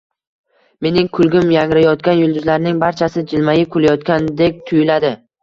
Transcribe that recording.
mening kulgim yangrayotgan yulduzlarning barchasi jilmayib kulayotgandek tuyuladi.